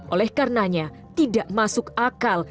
oleh karenanya tidak masuk akal